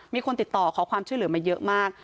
มีคนติดต่อขอความช่วยเหลือมาเยอะมาก